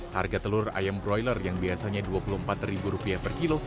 harga telur ayam broiler yang biasanya rp dua puluh empat per kilo